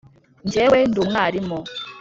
njyewe ndi umwarimu.